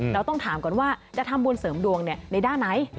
เราต้องถามก่อนว่าจะทำบุญเสริมดวงในด้านไหน